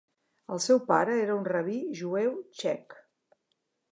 El seu pare era un rabí jueu txec.